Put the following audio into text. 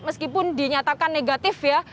meskipun dinyatakan negatif ya